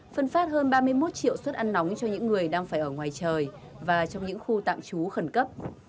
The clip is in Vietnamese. phân phát hơn ba mươi một triệu suất ăn nóng cho những người đang phải ở ngoài trời và trong những khu tạm trú khẩn cấp